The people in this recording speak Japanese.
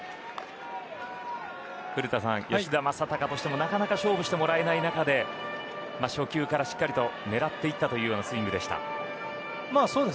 古田さん、吉田正尚としてもなかなか勝負してもらえない中で初球からしっかりと狙っていたというスイングでした。